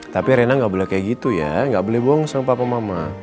tapi rena enggak boleh kayak gitu ya enggak boleh bongsa sama papa mama